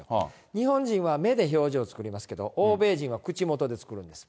日本人は目で表情を作りますけど、欧米人は口元で作るんです。